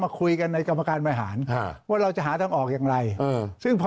คุยกันในกรรมการบริหารว่าเราจะหาทางออกอย่างไรเออซึ่งพอ